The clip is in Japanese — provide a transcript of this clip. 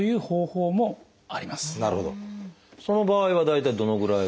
その場合は大体どのぐらいが？